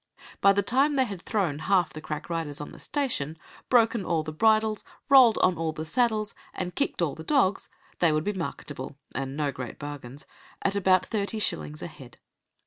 By the time they had thrown half the crack riders on the station, broken all the bridles, rolled on all the saddles, and kicked all the dogs, they would be marketable (and no great bargains) at about thirty shillings a head.